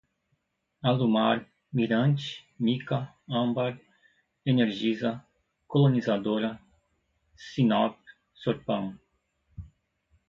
Alumar, Mirante, Mika, Âmbar, Energisa, Colonizadora, Sinnop, Sorpan